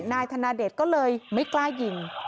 นายธนเดชก็เลยไม่กล้ายิง